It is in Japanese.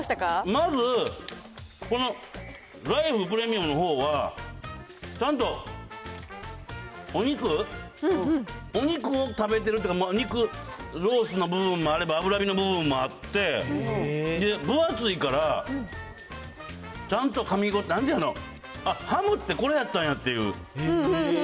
まず、このライフプレミアムのほうは、ちゃんとお肉、お肉を食べてるっていうか、肉、ロースの部分もあれば、脂身の部分もあって、分厚いから、ちゃんとかみ応え、なんて言うんやろ、あっ、ハムって、これやったんやっていう。